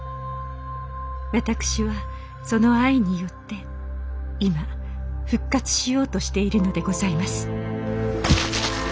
私はその愛によって今復活しようとしているのでございます」。